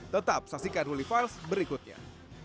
tetap saksikan ruli files berikutnya